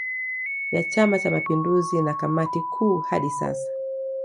Ya chama cha mapinduzi na kamati kuu hadi sasa